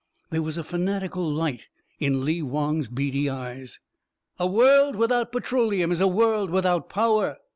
There was a fanatical light in Lee Wong's beady eyes. "A world without petroleum is a world without power.